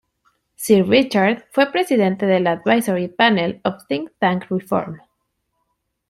Sir Richard fue presidente del Advisory Panel of Think-Tank Reform.